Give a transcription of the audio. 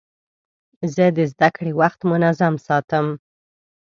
زه د زدهکړې وخت منظم ساتم.